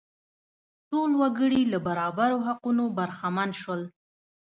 ټول وګړي له برابرو حقونو برخمن شول.